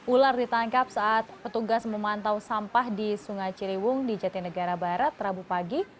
ular ditangkap saat petugas memantau sampah di sungai ciliwung di jatinegara barat rabu pagi